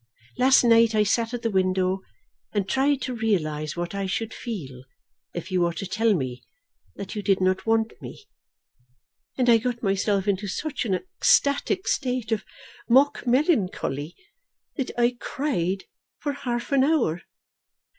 Last night I sat at the window and tried to realise what I should feel if you were to tell me that you did not want me; and I got myself into such an ecstatic state of mock melancholy that I cried for half an hour.